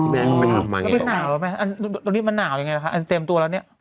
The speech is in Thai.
ตรงนี้มันหนาวยังไงล่ะคะอันเต็มตัวแล้วเนี่ย